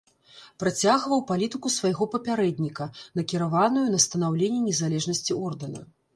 Працягваў палітыку свайго папярэдніка, накіраваную на станаўленне незалежнасці ордэна.